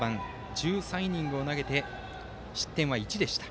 １３イニング投げて失点は１でした。